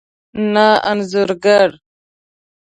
نه انځور ګر